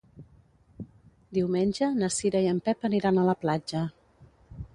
Diumenge na Cira i en Pep aniran a la platja.